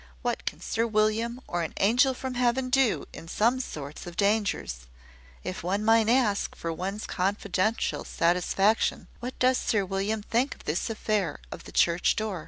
what can Sir William, or an angel from heaven do, in some sorts of dangers? If one might ask, for one's confidential satisfaction, what does Sir William think of this affair of the church door?"